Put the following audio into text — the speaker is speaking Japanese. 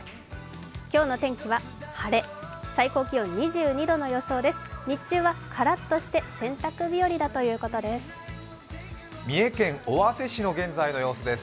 今日の天気は晴れ、最高気温２２度の予想です。